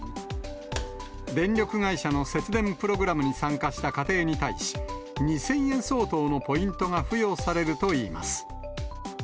電力会社の節電プログラムに参加した家庭に対し、２０００円相当のポイントが付与されるといいます。